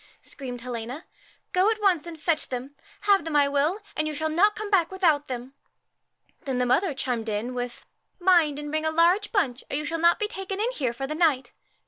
screamed Helena ;' go at once and USCHKA fetch them. Have them I will, and you shall not come back without them.' Then the mother chimed in with, ' Mind and bring a large bunch, or you shall not be taken in here for the night.